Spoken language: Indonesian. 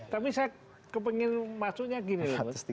tapi saya ingin masuknya begini